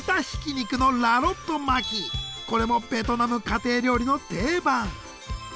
これもベトナム家庭料理の定番。